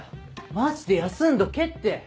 マジで休んどけって。